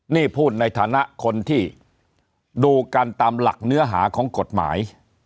นี่พูดในฐานะคนที่ดูกันตามหลักเนื้อหาของกฎหมาย